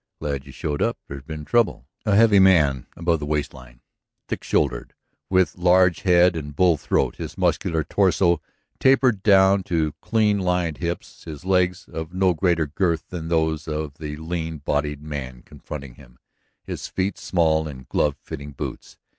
"Glad you showed up. There's been trouble." A heavy man above the waist line, thick shouldered, with large head and bull throat, his muscular torso tapered down to clean lined hips, his legs of no greater girth than those of the lean bodied man confronting him, his feet small in glove fitting boots.